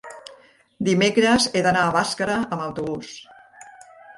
dimecres he d'anar a Bàscara amb autobús.